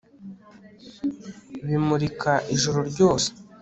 bimurika ijoro ryose